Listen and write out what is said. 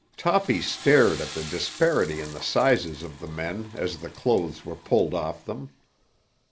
Toppy stared at the disparity in the sizes of the men as the clothes were pulled off them.